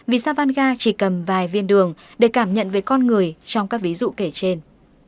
vì sao vanga chỉ cầm vài viên đường để cảm nhận về con người trong các ví dụ kể trên